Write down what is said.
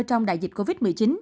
trong đại dịch covid một mươi chín